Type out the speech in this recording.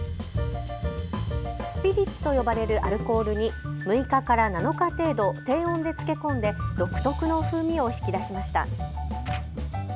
スピリッツと呼ばれるアルコールに６日から７日程度、低温で漬け込んで独特の風味を引き出しました。